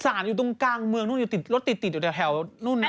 สานอยู่ตรงกลางเมืองรถติดอยู่แถวนู่นนะ